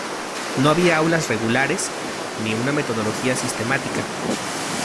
No había aulas regulares, ni una metodología sistemática.